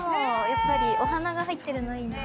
やっぱりお花が入ってるのいいな。